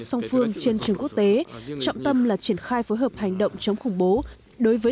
song phương trên trường quốc tế trọng tâm là triển khai phối hợp hành động chống khủng bố đối với